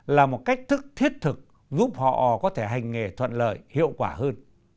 là một cách thức thiết thực giúp họ có thể hành nghề thuận lợi hiệu quả hơn